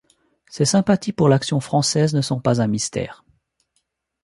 Ses sympathies pour l'Action française ne sont pas un mystère.